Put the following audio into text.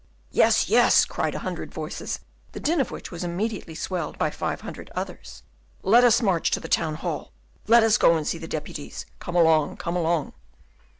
"Yes, yes!" cried a hundred voices; the din of which was immediately swelled by five hundred others; "let us march to the Town hall; let us go and see the deputies! Come along! come along!"